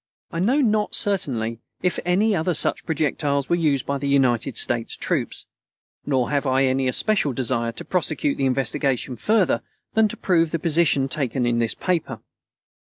I know not certainly if any other such projectiles were used by the United States troops, nor have I any especial desire to prosecute the investigation further than to prove the position taken in this paper.